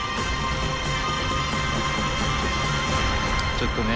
ちょっとね